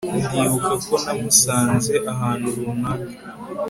Ndibuka ko namusanze ahantu runaka